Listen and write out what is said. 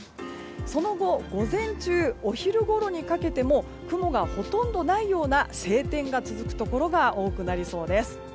その後午前中、お昼ごろにかけても雲がほとんどないような晴天が続くところが多くなりそうです。